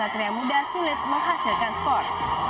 satria muda sulit menghasilkan skor